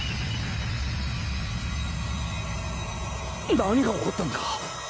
何が起こったんだ？